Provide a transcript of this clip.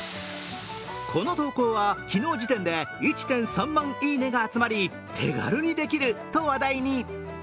この投稿は昨日時点で１．３万「いいね」が集まり手軽にできると話題に。